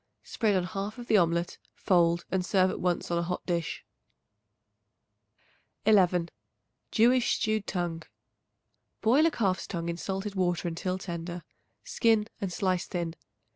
Spread on half of the omelet, fold and serve at once on a hot dish. 11. Jewish Stewed Tongue. Boil a calf's tongue in salted water until tender; skin and slice thin.